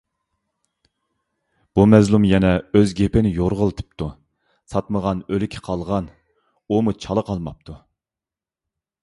بۇ مەزلۇم يەنە ئۆز گېپىنى يورغىلىتىپتۇ. ساتمىغان ئۆلىكى قالغان، ئۇمۇ چالا قالماپتۇ.